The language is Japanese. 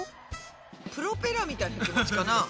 プロペラみたいな気持ちかな？